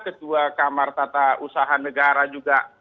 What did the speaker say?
ketua kamar tata usaha negara juga